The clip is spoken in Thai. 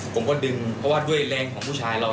ผมก็ดึงเพราะว่าด้วยแรงของผู้ชายเรา